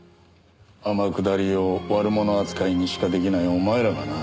天下りを悪者扱いにしか出来ないお前らがな。